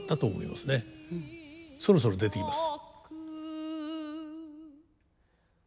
そろそろ出てきます。